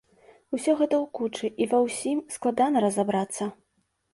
Усё гэта ў кучы і ва ўсім складана разабрацца.